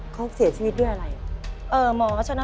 เขาเสียชีวิตด้วยไหน